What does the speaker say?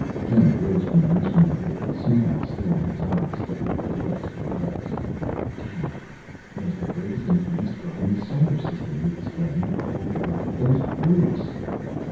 Kent rose from the instrument with the smile still in his eyes, but with his lips compressed. "Damn it, there's the bravest and finest girl in the solar system!" he exclaimed. "Over there with those brutes!"